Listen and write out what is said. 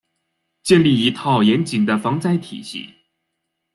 建立一套严谨的防灾体系